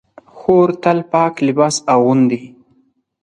خور تل پاک لباس اغوندي.